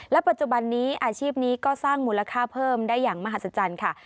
ปัจจุบันนี้อาชีพนี้ก็สร้างมูลค่าเพิ่มได้อย่างมหัศจรรย์ค่ะ